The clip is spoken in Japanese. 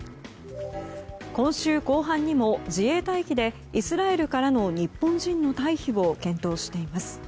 今週後半にも自衛隊機でイスラエルからの日本人の退避を検討しています。